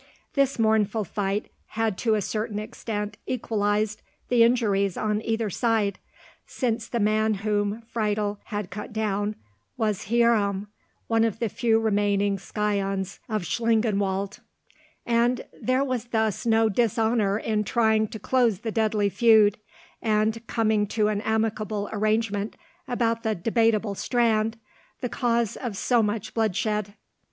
This mournful fight had to a certain extent equalized the injuries on either side, since the man whom Friedel had cut down was Hierom, one of the few remaining scions of Schlangenwald, and there was thus no dishonour in trying to close the deadly feud, and coming to an amicable arrangement about the Debateable Strand, the cause of so much bloodshed.